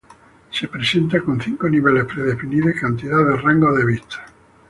Se presenta con cinco niveles predefinidos y cantidad de rangos de vista.